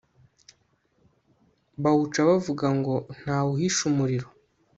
bawuca bavuga ngo ntawuhisha umuriro